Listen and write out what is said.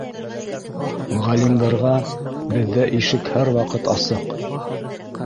Ға- лимдарға беҙҙә ишек һәр ваҡыт асыҡ